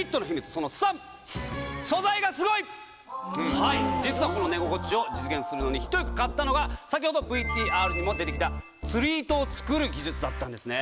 その３はい実はこの寝心地を実現するのに一役買ったのが先ほどＶＴＲにも出てきた釣り糸を作る技術だったんですね